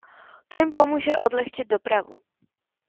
To jim pomůže odlehčit dopravu.